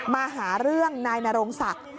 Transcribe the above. มาหาเรื่องนายนโรงศักดิ์